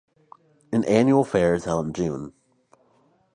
An annual fair is held in June.